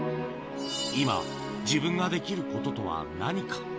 今、自分ができることとは何か。